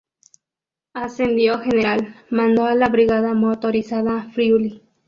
Ascendido a general, mandó a la Brigada motorizada Friuli.